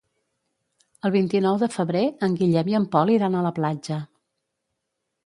El vint-i-nou de febrer en Guillem i en Pol iran a la platja.